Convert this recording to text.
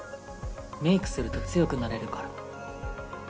メイクすると強くなれるから。